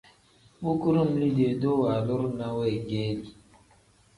Bu kudum liidee-duu waaluru ne weegeeli.